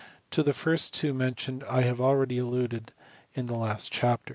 To the two first mentioned I have already alluded in the last chapter.